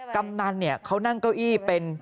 กำนันเขานั่งเก้าอี้เป็น